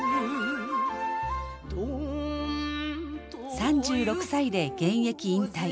３６歳で現役引退。